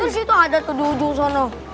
ternyata ada di ujung sana